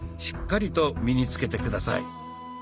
しっかりと身につけて下さい。